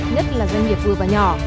nhất là doanh nghiệp vừa và nhỏ